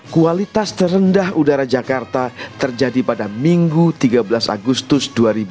kualitas terendah udara jakarta terjadi pada minggu tiga belas agustus dua ribu dua puluh